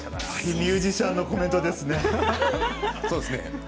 ミュージシャンのコメントですね。